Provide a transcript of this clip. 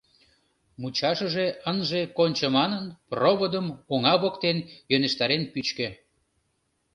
Мучашыже ынже кончо манын, проводым оҥа воктен йӧнештарен пӱчкӧ.